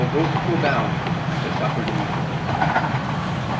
both to abound and to suffer need."